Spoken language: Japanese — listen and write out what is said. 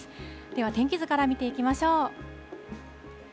では天気図から見ていきましょう。